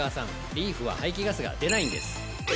リーフは排気ガスが出ないんです！